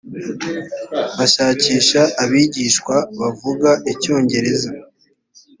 bashakisha abigishwa bavuga icyongereza